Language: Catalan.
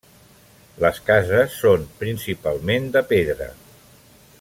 Les cases són principalment de pedra.